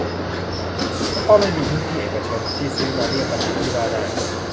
ก็ไม่มีพื้นที่เอกชน ที่ซื้อมาเลี่ยงปัญหาที่ว่าได้